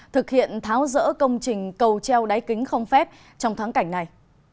thực hiện tháo rỡ công trình cầu treo đáy kính không phép trong tháng cảnh này